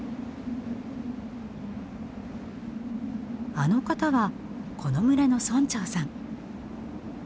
あの方はこの村の村長さん。